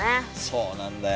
そうなんだよ。